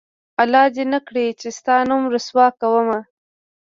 الله دې نه کړي چې ستا نوم رسوا کومه